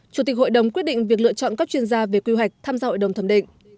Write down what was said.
chủ tịch hội đồng quyết định việc lựa chọn các chuyên gia về quy hoạch tham gia hội đồng thẩm định